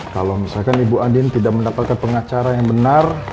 kalau misalkan ibu andin tidak mendapatkan pengacara yang benar